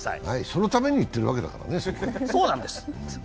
そのために行ってるわけだからね。